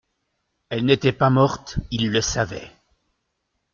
Elle n'était pas morte, il le savait.